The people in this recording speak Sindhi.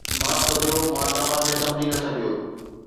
معاف ڪجو، مان توهان کي سمجهي نه سگهيو